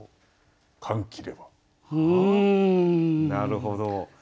なるほど。